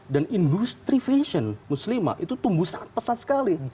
dan industri fashion muslimah itu tumbuh sangat pesat sekali